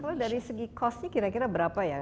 kalau dari segi cost nya kira kira berapa ya